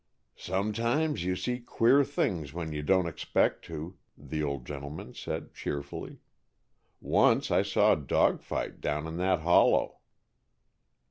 "Sometimes you see queer things when you don't expect to," the old gentleman said, cheerfully. "Once I saw a dog fight down in that hollow."